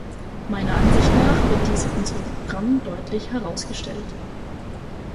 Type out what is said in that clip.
Meiner Ansicht nach wird dies in unserem Programm deutlich herausgestellt.